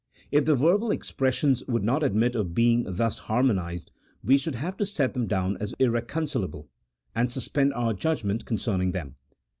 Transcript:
If the verbal expressions would not admit of being thus har monized, we should have to set them down as irreconcilable, and suspend our judgment concerning them.